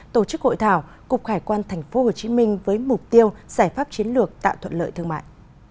tổ chức hội thảo cục hải quan tp hcm với mục tiêu giải pháp chiến lược tạo thuận lợi thương mại